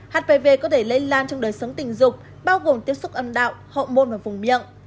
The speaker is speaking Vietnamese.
hpv có thể lây lan trong đời sống tình dục bao gồm tiếp xúc âm đạo họ môn ở vùng miệng